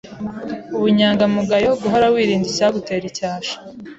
Ubunyangamugayo: guhora wirinda icyagutera icyasha